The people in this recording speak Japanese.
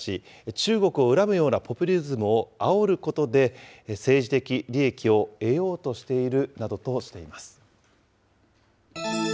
中国を恨むようなポピュリズムをあおることで、政治的利益を得ようとしているなどとしています。